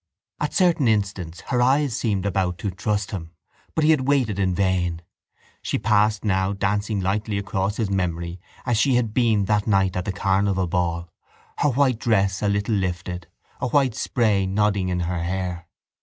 At certain instants her eyes seemed about to trust him but he had waited in vain. She passed now dancing lightly across his memory as she had been that night at the carnival ball, her white dress a little lifted, a white spray nodding in her hair.